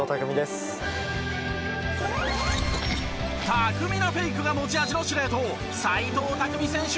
巧みなフェイクが持ち味の司令塔齋藤拓実選手